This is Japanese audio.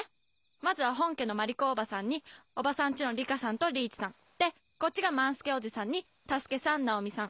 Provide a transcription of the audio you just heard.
まずは本家の万理子おばさんにおばさん家の理香さんと理一さん。でこっちが万助おじさんに太助さん直美さん。